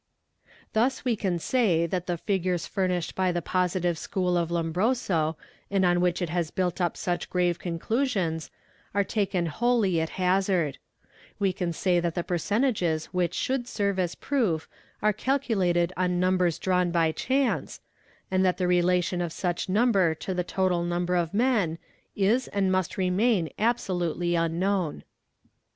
\ oral Thus we can say that the figures furnished by the positive gudbiooll of Lombroso and on which it has built up such grave conclusions, are taken wholly at hazard; we can say that the percentages which should ser re as proof are calculated on numbers drawn by chance, and that the rela tion of such number to the total number of men is and must remair absolutely unknown.